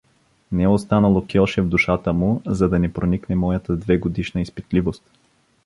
Не е останало кьоше в душата му, за да не проникне моята двегодишна изпитливост.